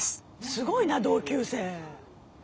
すごいな同級生。